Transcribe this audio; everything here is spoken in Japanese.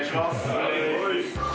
はい。